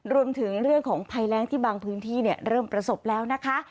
รวมถึงเรื่องของภัยแรงที่บางพื้นที่เริ่มประสบแล้วนะคะ